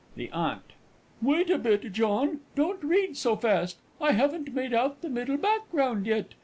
THE AUNT. Wait a bit, John don't read so fast. I haven't made out the middle background yet.